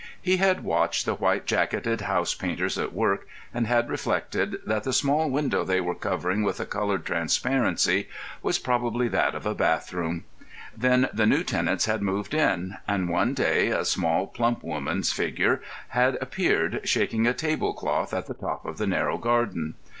He had watched the white jacketed house painters at work, and had reflected that the small window they were covering with a coloured transparency was probably that of a bathroom. Then the new tenants had moved in, and one day a small, plump woman's figure had appeared shaking a table cloth at the top of the narrow garden.